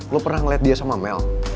lo pernah ngeliat dia sama mel